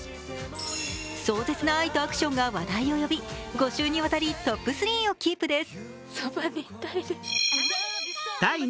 壮絶な愛とアクションが話題を呼び、５週にわたりトップ３をキープです。